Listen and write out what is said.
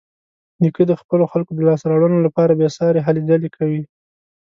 نیکه د خپلو خلکو د لاسته راوړنو لپاره بېسارې هلې ځلې کوي.